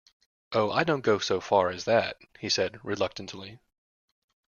"Oh, I don't go so far as that," he said reluctantly.